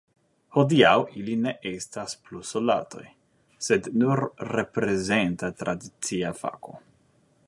Hodiaŭ ili ne estas plu soldatoj, sed nur reprezenta tradicia fako.